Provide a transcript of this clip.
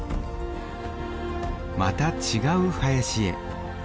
また違う林へ。